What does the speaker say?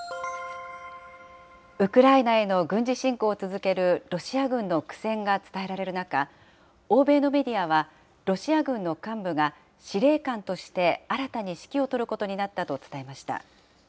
ウクライナへの軍事侵攻を続けるロシア軍の苦戦が伝えられる中、欧米のメディアは、ロシア軍の幹部が司令官として、新たに指揮を執ることになったと伝えました。